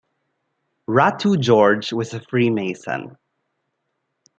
Ratu George was a Freemason.